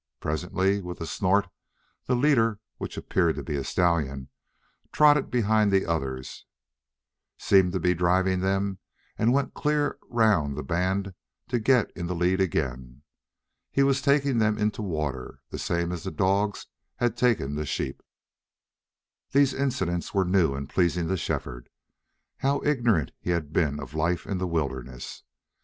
Presently, with a snort, the leader, which appeared to be a stallion, trotted behind the others, seemed to be driving them, and went clear round the band to get in the lead again. He was taking them in to water, the same as the dogs had taken the sheep. These incidents were new and pleasing to Shefford. How ignorant he had been of life in the wilderness!